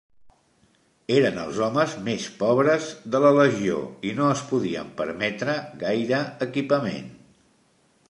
Eren els homes més pobres de la legió i no es podien permetre gaire equipament.